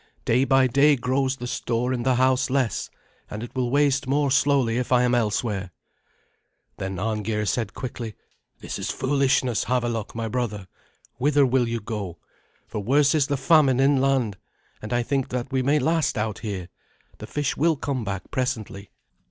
Day by day grows the store in the house less; and it will waste more slowly if I am elsewhere." Then Arngeir said quickly, "This is foolishness, Havelok, my brother. Whither will you go? For worse is the famine inland; and I think that we may last out here. The fish will come back presently."